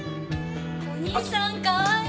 お兄さんかわいい！